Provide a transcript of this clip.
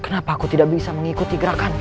kenapa aku tidak bisa mengikuti gerakan